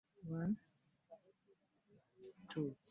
Ozibuuza ani oyo azikwambalira?